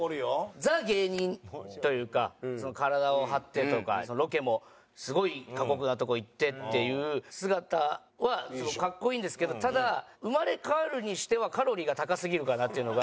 ザ・芸人というか体を張ってとかロケもすごい過酷なとこ行ってっていう姿はすごい格好いいんですけどただ生まれ変わるにしてはカロリーが高すぎるかなっていうのが。